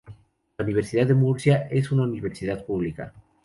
La Universidad de Murcia es una universidad pública.